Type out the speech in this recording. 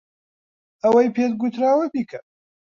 ئەوەی پێت گوتراوە بیکە.